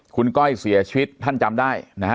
คุณก้อยเสียชีวิตท่านจำได้นะฮะ